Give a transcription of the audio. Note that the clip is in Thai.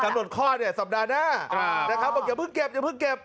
หลดคลอดเนี่ยสัปดาห์หน้านะครับบอกอย่าเพิ่งเก็บอย่าเพิ่งเก็บ